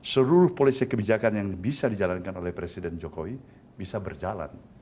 seluruh polisi kebijakan yang bisa dijalankan oleh presiden jokowi bisa berjalan